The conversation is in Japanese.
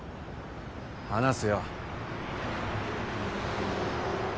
話すよ。